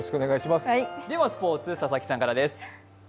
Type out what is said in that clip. ではスポーツ、佐々木さんからです。